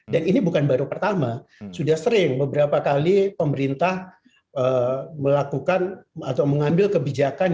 dan ini bukan baru pertama sudah sering beberapa kali pemerintah melakukan atau mengambil kebijakan